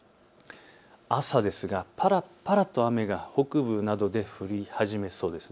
朝ですがぱらぱらと雨が北部などで降り始めそうです。